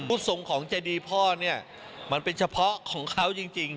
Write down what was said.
รูปทรงของใจดีพ่อมันเป็นเฉพาะของเขาจริง